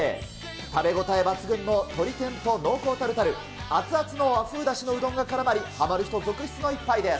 食べ応え抜群の鶏天と濃厚タルタル、熱々の和風だしのうどんがからまり、ハマる人続出の一杯です。